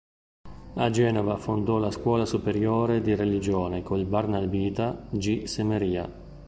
A Genova fondò la Scuola superiore di religione con il barnabita G. Semeria.